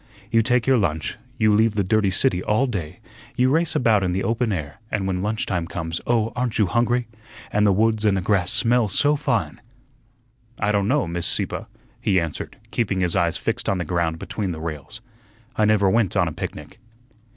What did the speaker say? "You take your lunch; you leave the dirty city all day; you race about in the open air, and when lunchtime comes, oh, aren't you hungry? And the woods and the grass smell so fine!" "I don' know, Miss Sieppe," he answered, keeping his eyes fixed on the ground between the rails. "I never went on a picnic."